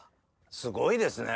すごいですね。